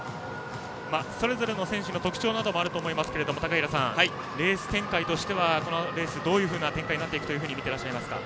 それぞれの選手の特徴などもあると思いますが高平さん、レース展開としてはこのレース、どういうような展開になっていくとみていらっしゃいますか？